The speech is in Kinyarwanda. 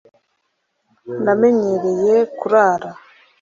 namenyereye kurara